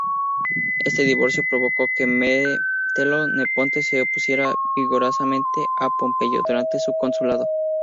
Este divorcio provocó que Metelo Nepote se opusiera vigorosamente a Pompeyo durante su consulado.